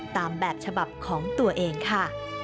ตามแบบฉบับของตัวเองค่ะ